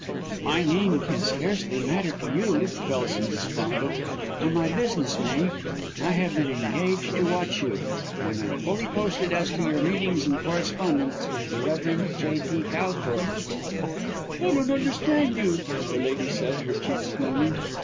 "My name can scarcely matter to you," Kelson responded, "though my business may. I have been engaged to watch you, and am fully posted as to your meetings and correspondence with the Rev. J.T. Calthorpe." "I don't understand you," the lady said, her cheeks flaming.